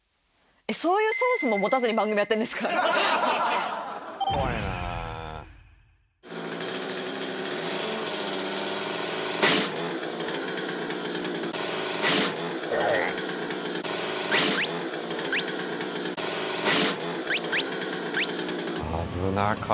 そういうソースも持たずに番組やってるんですか？